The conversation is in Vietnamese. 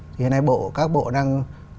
thì hiện nay các bộ đang